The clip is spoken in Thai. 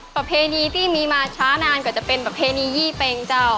ประเพณีที่มีมาช้านานกว่าจะเป็นประเพณียี่เป็งเจ้า